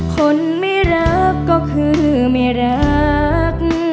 คนไม่รักก็คือไม่รัก